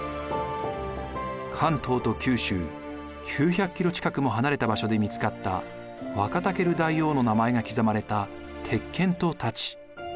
関東と九州９００キロ近くも離れた場所で見つかったワカタケル大王の名前が刻まれた鉄剣と太刀。